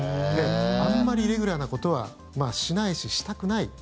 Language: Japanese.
あんまりイレギュラーなことはしないし、したくない。